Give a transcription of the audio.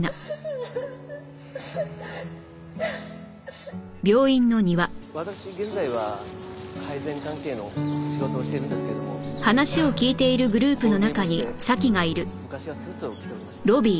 私現在は配膳関係の仕事をしているんですけどもこう見えまして昔はスーツを着ておりました。